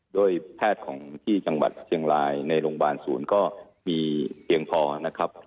ด้วยแพทย์ของที่จังหวัดเชียงรายในโรงพยาบาลศูนย์ก็มีเพียงพอนะครับ